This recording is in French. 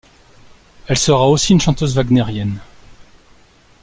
Elle sera aussi une chanteuse wagnérienne.